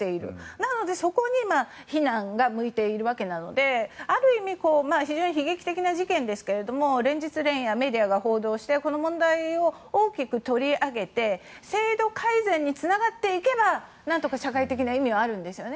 なので、そこに非難が向いているわけなので悲劇的な事件ですが連日連夜、メディアが報道してこの問題を大きく取り上げて制度改善につながっていけばなんとか社会的な意味はあるんですよね。